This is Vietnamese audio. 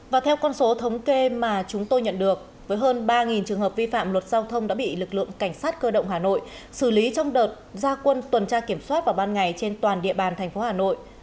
và theo con số thống kê mà chúng tôi nhận được với hơn ba trường hợp vi phạm luật giao thông đã bị lực lượng cảnh sát cơ động hà nội xử lý trong đợt gia quân tuần tra kiểm soát vào ban ngày trên toàn địa bàn thành phố hà nội